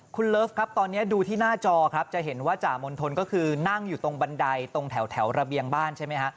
คุณเลิฟครับตอนนี้ดูที่หน้าจอครับจะเห็นว่าจ่ามณฑลก็คือนั่งอยู่ตรงบันไดตรงแถวระเบียงบ้านใช่ไหมฮะ